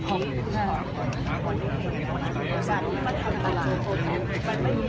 มันรักคุณเราก็ตามมีตามเกิดมันไม่ใช่ค่ะแต่ว่ามันตอนนี้